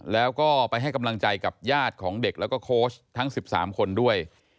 แล้วก็ไปให้กำลังใจกับญาติของเด็กแล้วก็โค้ชทั้ง๑๓คนด้วย